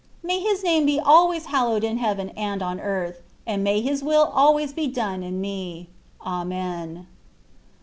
May His name be always hallowed in heaven and on earth, and may His will always be done in me. Amen.